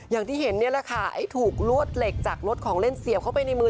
อย่างที่เห็นนี่แหละค่ะไอ้ถูกลวดเหล็กจากรถของเล่นเสียบเข้าไปในมือ